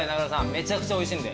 めちゃくちゃおいしいんで。